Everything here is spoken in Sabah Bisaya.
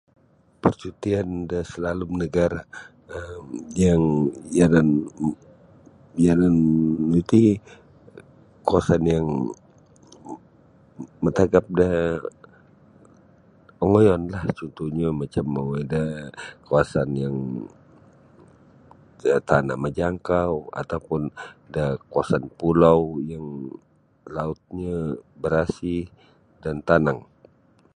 Parcutian da salalum nagara um yang yanan yanan nu iti kawasan yang matagap da ongoiyonlah cuntuhnyo macam mongoi da kawasan yang tanah majangkau atau pun da kawasan pulau yang lautnyo barasih dan tanang.